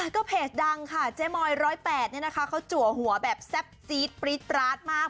ก็เพจดังค่ะเจ๊มอย๑๐๘เขาจัวหัวแบบแซ่บซีดปรี๊ดปราดมาก